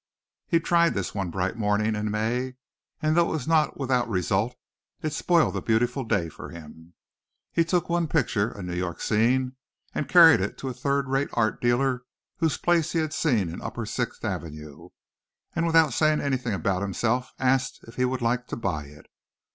He tried this one bright morning in May, and though it was not without result it spoiled the beautiful day for him. He took one picture, a New York scene, and carried it to a third rate art dealer whose place he had seen in upper Sixth Avenue, and without saying anything about himself asked if he would like to buy it.